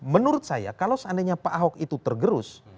menurut saya kalau seandainya pak ahok itu tergerus